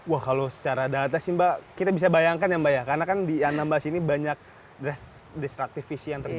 wah kalau secara data sih mbak kita bisa bayangkan ya mbak ya karena kan di anambas ini banyak destructivis yang terjadi